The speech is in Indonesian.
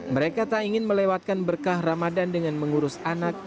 mereka tak ingin melewatkan berkah ramadan dengan mengurus anak